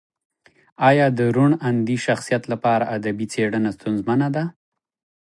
ایا د روڼ اندي شخصیت لپاره ادبي څېړنه ستونزمنه ده؟